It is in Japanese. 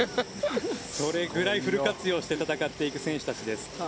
それぐらいフル活用して戦っていく選手たちです。